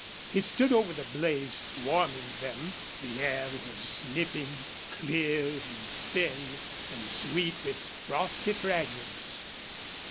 He stood over the blaze, warming them. The air was nipping, clear and thin, and sweet with frosty fragrance.